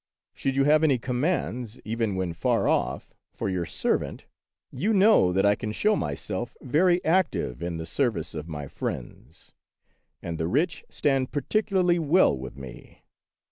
Should you have any commands, even when far off, for your servant, you know that I can show myself very active in the service of my friends, and the rich stand particularly well with me.